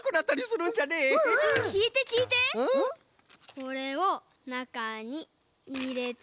これをなかにいれて。